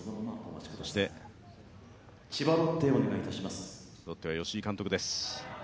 そしてロッテは吉井監督です。